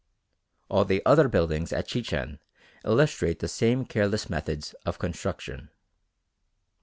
All the other buildings at Chichen illustrate the same careless methods of construction.